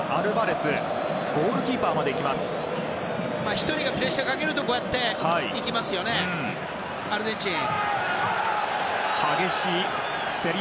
１人がプレッシャーをかけるとこうやって、行きますよねアルゼンチン。